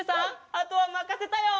あとはまかせたよ！